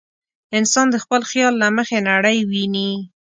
انسان د خپل خیال له مخې نړۍ ویني.